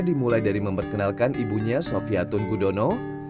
dimulai dari memperkenalkan ibunya sofiatun gudono